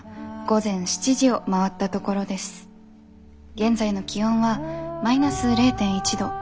現在の気温はマイナス０．１度。